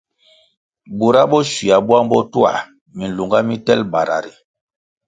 Bura bo shywia bwang bo twā milunga mitelʼ bara ri,